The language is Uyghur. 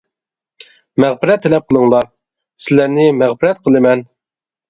مەغپىرەت تەلەپ قىلىڭلار، سىلەرنى مەغپىرەت قىلىمەن.